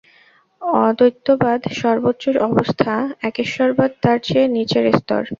অদ্বৈতবাদ সর্বোচ্চ অবস্থা, একেশ্বরবাদ তার চেয়ে নীচের স্তর।